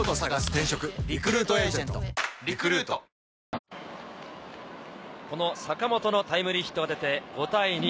ニトリ坂本のタイムリーヒットが出て５対２。